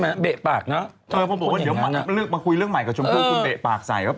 เห็นไม่เหมือนกันใช่ไหม